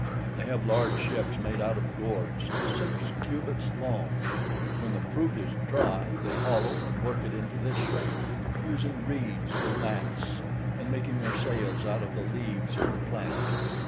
They have large ships made out of gourds, six cubits long; when the fruit is dry, they hollow and work it into this shape, using reeds for masts, and making their sails out of the leaves of the plant.